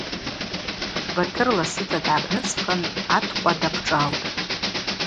Батыр ласыта дгӏакӏныцӏхын атӏкъва дапшӏалтӏ.